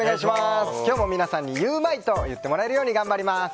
今日も皆さんにゆウマいと言ってもらえるように頑張ります！